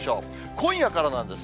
今夜からなんです。